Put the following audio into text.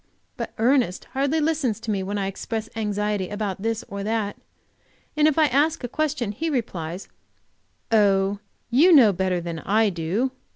But Ernest hardly listens to me when I express anxiety about this or that, and if I ask a question he replies, "Oh, you know better than I do.